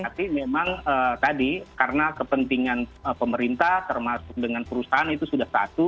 tapi memang tadi karena kepentingan pemerintah termasuk dengan perusahaan itu sudah satu